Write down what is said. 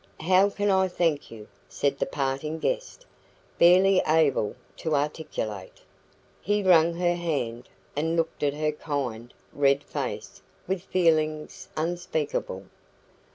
"How can I thank you?" said the parting guest, barely able to articulate. He wrung her hand, and looked at her kind, red face with feelings unspeakable.